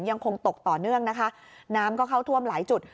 ยังคงตกต่อเนื่องนะคะน้ำก็เข้าท่วมหลายจุด